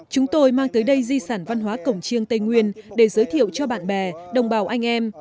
chúng tôi mang tới đây di sản văn hóa cổng chiêng tây nguyên để giới thiệu cho bạn bè đồng bào anh em